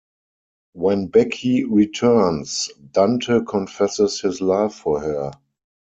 When Becky returns, Dante confesses his love for her.